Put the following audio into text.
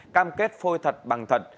cam kết phôi thật bằng thật